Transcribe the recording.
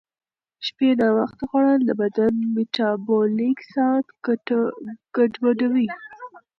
شپې ناوخته خوړل د بدن میټابولیک ساعت ګډوډوي.